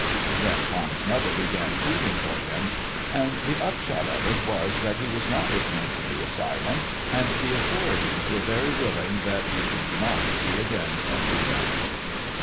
Then Tom's mother began pleading for him, and the upshot of it was that he was not returned to the asylum and the authorities were very willing that he should not be again sent to them.